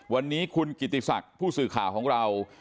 วันนี้คุณกิติศักดิ์ผู้สื่อข่าวของเรา